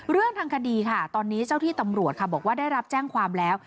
เรื่องทางคดีค่ะตอนนี้เจ้าที่ตำรวจค่ะบอกว่าได้รับแจ้งความแล้ว